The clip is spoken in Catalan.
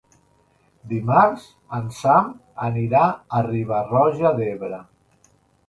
Dimarts en Sam anirà a Riba-roja d'Ebre.